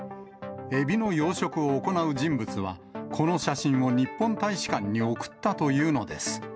エビの養殖を行う人物は、この写真を日本大使館に送ったというのです。